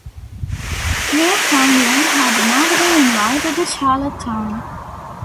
Newfoundland had not been invited to Charlottetown.